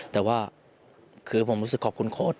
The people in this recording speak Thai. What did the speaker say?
แต่ว่าคือผมรู้สึกขอบคุณโค้ด